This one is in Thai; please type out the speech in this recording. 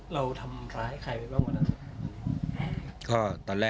เราทำร้ายใครไปบ้างวันนั้น